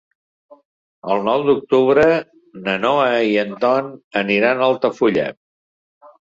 El nou d'octubre na Noa i en Ton aniran a Altafulla.